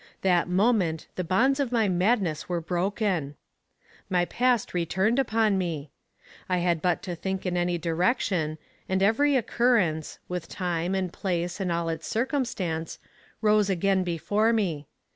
That moment the bonds of my madness were broken. My past returned upon me. I had but to think in any direction, and every occurrence, with time and place and all its circumstance, rose again before me.